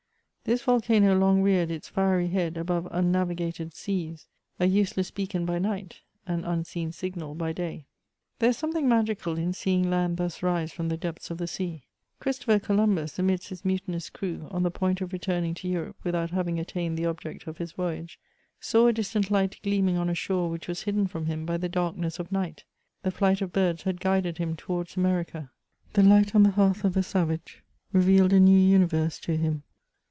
This volcano long reared its fiery •head above unnavigated seas; a useless beacon by night, an un seen signal by day. There is something magical in seeing land thus rise from the depths of the sea. Christopher Columbus, amidst his mutinous crew, on the point of returning to Europe without having at tained the object of his voyage, saw a distant light gleaming on a shore which was hidden from him by the darkness of night ; the flight of birds had guided him towards America^the light CH ATE AUBKI AND. 241 on the hearth of a savage revealed a new universe to him.